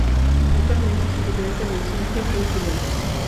Actualmente es integrante del Cirque du Soleil.